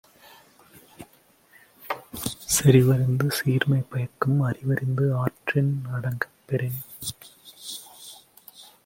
செறிவறிந்து சீர்மை பயக்கும் அறிவறிந்து ஆற்றின் அடங்கப் பெறின்